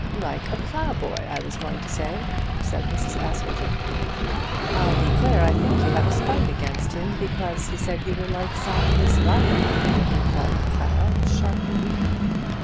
"Like a ploughboy, I was going to say," said Mrs. Askerton. "I declare I think you have a spite against him, because he said you were like some Miss Vigo," replied Clara, sharply.